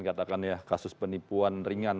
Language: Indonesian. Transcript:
katakan ya kasus penipuan ringan